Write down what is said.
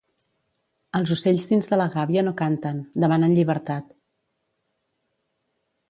Els ocells dins de la gàbia no canten, demanen llibertat